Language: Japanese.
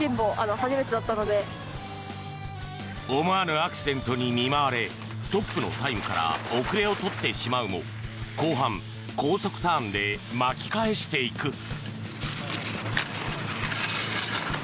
思わぬアクシデントに見舞われトップのタイムから後れを取ってしまうも後半、高速ターンで巻き返していく。